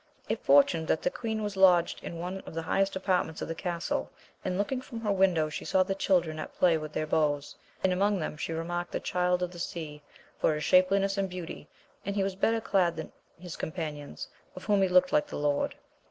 It fortuned that the queen was lodged in one of the highest apartments of the castle, and looking from her window she saw the children at play with their bows, and among them remarked the Child of the Sea for his shapeliness and beauty, and he was better clad than his companions, of whom he looked like the lord.